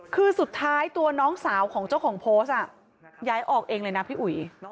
คือสุดท้ายตัวน้องสาวของเจ้าของโพสต์ย้ายออกเองเลยนะพี่อุ๋ย